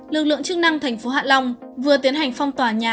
lực lượng chức năng tp hạ long vừa tiến hành phong tỏa nhà